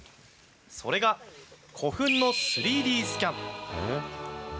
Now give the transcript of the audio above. それが古墳の３Ｄスキャン。